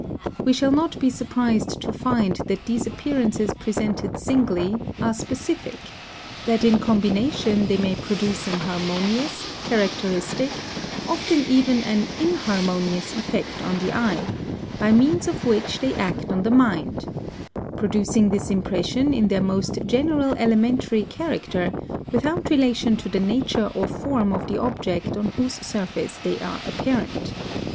We shall not be surprised to find that these appearances presented singly, are specific, that in combination they may produce an harmonious, characteristic, often even an inharmonious effect on the eye, by means of which they act on the mind; producing this impression in their most general elementary character, without relation to the nature or form of the object on whose surface they are apparent.